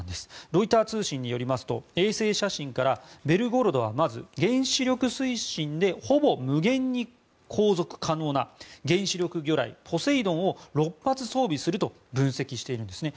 ロイター通信によりますと衛星写真から「ベルゴロド」はまず原子力推進でほぼ無限に航続可能な原子力魚雷ポセイドンを６発装備すると分析しているんですね。